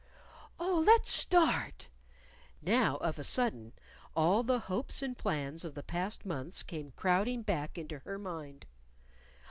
"Oh, let's start." Now, of a sudden, all the hopes and plans of the past months came crowding back into her mind.